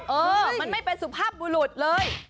เออมันไม่เป็นสุภาพบุรุษเลย